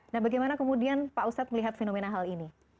nah bagaimana kemudian pak ustadz melihat fenomena hal ini